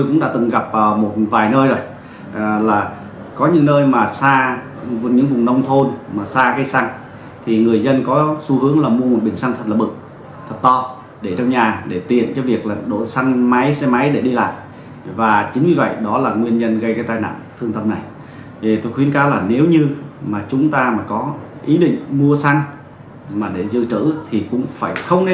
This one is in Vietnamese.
nếu muốn mua xăng để dự trữ thì cũng không nên để trong nhà không nên để ở nhà